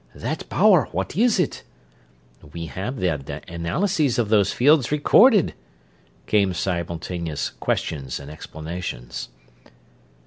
"That power, what is it?" "We have, then, the analyses of those fields recorded!" Came simultaneous questions and explanations.